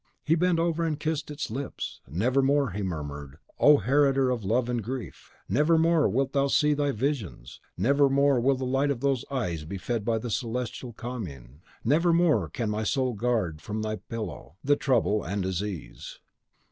He bent over and kissed its lips. "Never more," he murmured, "O heritor of love and grief, never more wilt thou see me in thy visions; never more will the light of those eyes be fed by celestial commune; never more can my soul guard from thy pillow the trouble and the disease.